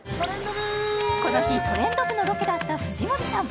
この日「トレンド部」のロケだった藤森さん